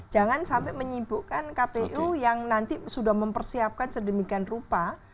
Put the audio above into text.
jangan sampai menyibukkan kpu yang nanti sudah mempersiapkan sedemikian rupa